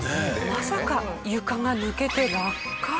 まさか床が抜けて落下！